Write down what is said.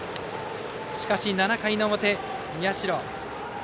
しかし７回の表、社。